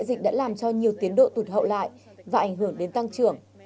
sẽ làm cho nhiều tiến độ tụt hậu lại và ảnh hưởng đến tăng trưởng